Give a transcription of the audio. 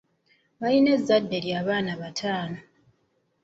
Balina ezzadde ly'abaana bataano